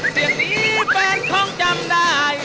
เสียงนี้แฟนคงจำได้